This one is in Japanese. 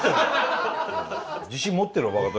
自信持ってるわ。